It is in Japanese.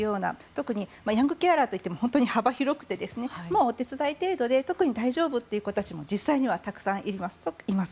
特にヤングケアラーといっても本当に幅広くてもうお手伝い程度で特に大丈夫という方も実際にはたくさんいます。